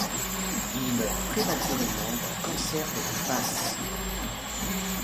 Il meurt prématurément d'un cancer de la face.